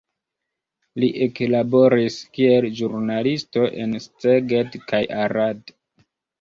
Li eklaboris kiel ĵurnalisto en Szeged kaj Arad.